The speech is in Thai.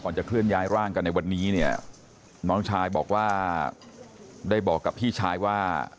จะเคลื่อนย้ายร่างกันในวันนี้เนี่ยน้องชายบอกว่าได้บอกกับพี่ชายว่า